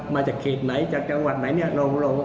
มาจากเขตไหนจากจังหวัดไหน